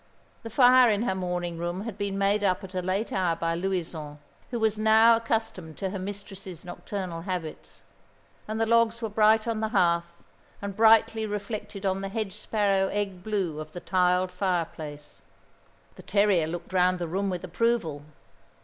The fire in her morning room had been made up at a late hour by Louison, who was now accustomed to her mistress's nocturnal habits; and the logs were bright on the hearth, and brightly reflected on the hedge sparrow egg blue of the tiled fireplace. The terrier looked round the room with approval.